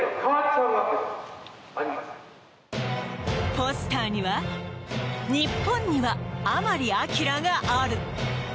ポスターには「日本には甘利明がある」。